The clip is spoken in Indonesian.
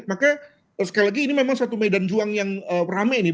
maka sekali lagi ini memang satu medan juang yang rame nih